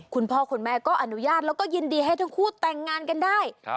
คุณพ่อคุณแม่ก็อนุญาตแล้วก็ยินดีให้ทั้งคู่แต่งงานกันได้